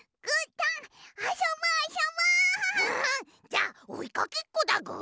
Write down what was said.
じゃあおいかけっこだぐ。